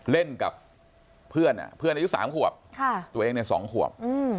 เล่นกับเพื่อนเพื่อนอายุ๓ขวบตัวเองใน๒ขวบ